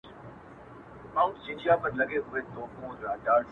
حروف د ساز له سوره ووتل سرکښه سوله~